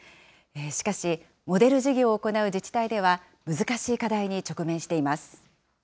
しかし、モデル事業を行う自治体では、難しい課題に直面しています。